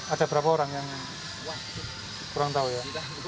ada berapa orang yang kurang tahu ya